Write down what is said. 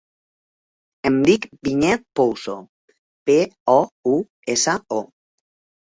Em dic Vinyet Pouso: pe, o, u, essa, o.